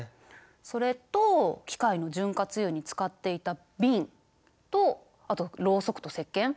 それと機械の潤滑油に使っていた瓶とあとろうそくとせっけん。